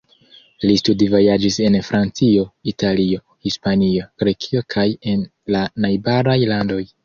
Li studvojaĝis en Francio, Italio, Hispanio, Grekio kaj en la najbaraj landoj.